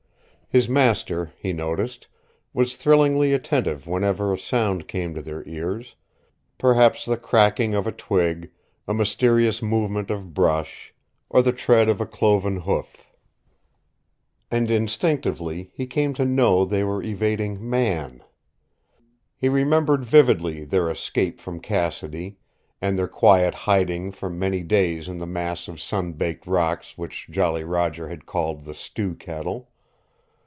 His master, he noticed, was thrillingly attentive whenever a sound came to their ears perhaps the cracking of a twig, a mysterious movement of brush, or the tread of a cloven hoof. And instinctively he came to know they were evading Man. He remembered vividly their escape from Cassidy and their quiet hiding for many days in the mass of sun baked rocks which Jolly Roger had called the Stew Kettle.